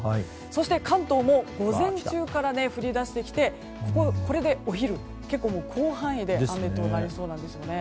そして関東も午前中から降り出してきてこれでお昼、結構広範囲で雨となりそうなんです。